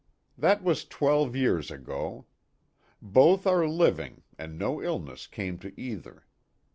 That was twelve years ago. Both are living, and no illness came to either.